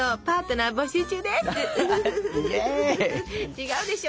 違うでしょ。